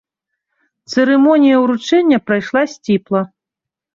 Цырымонія ўручэння прайшла сціпла.